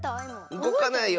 うごかないよ。